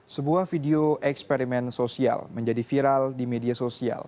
sebuah video eksperimen sosial menjadi viral di media sosial